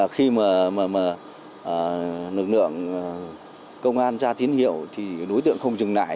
khi mà lực lượng công an ra tiến hiệu đối tượng không dừng lại